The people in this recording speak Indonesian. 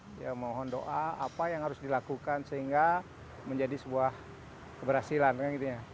dia mohon doa apa yang harus dilakukan sehingga menjadi sebuah keberhasilan